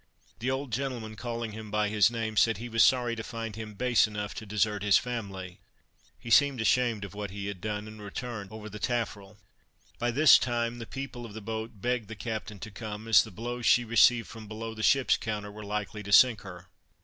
The old gentleman calling him by his name, said he was sorry to find him base enough to desert his family. He seemed ashamed of what he had done, and returned over the taffrail. By this time, the people of the boat begged the captain to come, as the blows she received from below the ship's counter, were like to sink her.